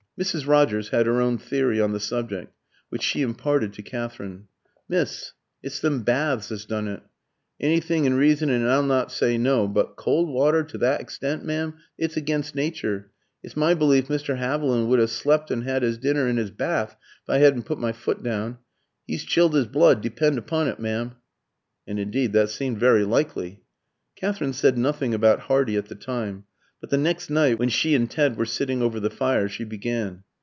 Mrs. Rogers had her own theory on the subject, which she imparted to Katherine. "Miss, it's them baths as has done it. Anythin' in reason and I'll not sy no, but cold water to that igstent, m'm, it's against nature. It's my belief Mr. 'Aviland would 'ave slept and 'ad 'is dinner in 'is bath, if I 'adn't put my foot down. 'E's chilled 'is blood, depend upon it, m'm." And indeed that seemed very likely. Katherine said nothing about Hardy at the time; but the next night, when she and Ted were sitting over the fire, she began.